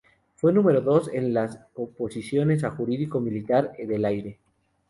Fue número dos en las oposiciones a Jurídico Militar del Aire.